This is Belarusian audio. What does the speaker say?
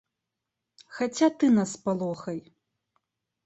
Хаця ты нас спалохай.